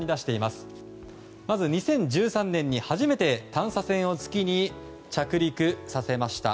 まず２０１３年に初めて探査船を月に着陸させました。